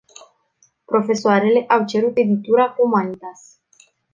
Profesoarele au cerut editura Humanitas.